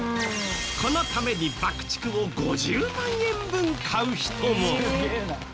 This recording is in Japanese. このために爆竹を５０万円分買う人も！